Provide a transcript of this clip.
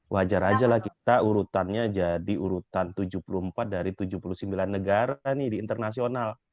wajar aja lah kita urutannya jadi urutan tujuh puluh empat dari tujuh puluh sembilan negara nih di internasional